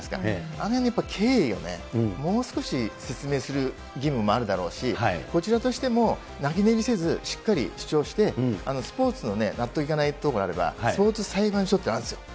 あのへんのやっぱり経緯をね、もう少し説明する義務もあるだろうし、こちらとしても、泣き寝入りせず、しっかり主張して、スポーツのね、納得いかないところがあれば、スポーツ裁判所っていうのがあるんですよ。